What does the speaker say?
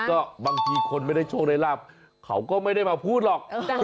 ก็บางทีคนไม่ได้โชคได้ลาบเขาก็ไม่ได้มาพูดหรอก